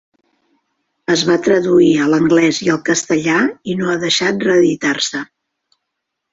Es va traduir a l'anglès i al castellà i no ha deixat reeditar-se.